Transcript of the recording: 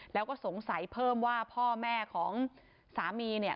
แล้วก็สงสัยเพิ่มว่าพ่อแม่ของสามีเนี่ย